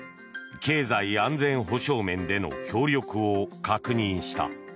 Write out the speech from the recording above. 経済・安全保障面での協力を確認した。